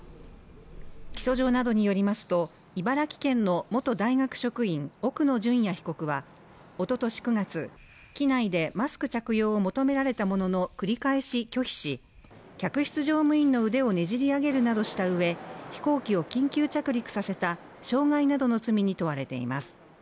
起訴状などによりますと茨城県の元大学職員奥野淳也被告はおととし９月機内でマスク着用を求められたものの繰り返し拒否し客室乗務員の腕を捻り上げるなどしたうえ飛行機を緊急着陸させた傷害などの罪に問われています